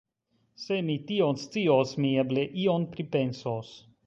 Se mi tion scios, mi eble ion pripensos.